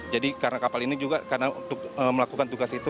jadi karena kapal ini juga karena untuk melakukan tugas itu